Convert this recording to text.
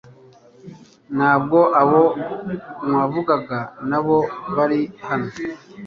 Ntabwo abo mwavugaga nabo bari hano .